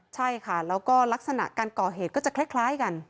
ใช่ค่ะแล้วก็ลักษณะการก่อเหตุก็จะคล้ายกัน